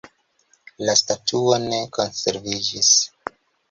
La statuo ne konserviĝis.